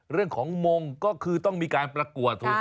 เรื่องของมงก็คือต้องมีการประกวดถูก